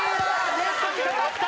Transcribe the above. ネットにかかった！